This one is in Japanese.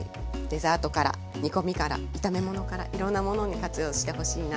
デザートから煮込みから炒め物からいろんなものに活用してほしいなと思ってます